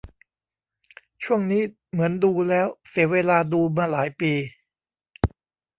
ช่วงนี้เหมือนดูแล้วเสียเวลาดูมาหลายปี